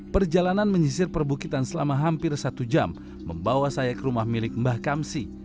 perjalanan menyisir perbukitan selama hampir satu jam membawa saya ke rumah milik mbah kamsi